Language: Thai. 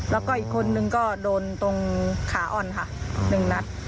แล้วก็อีกคนนึงก็โดนตรงขาอ่อนค่ะ๑นัด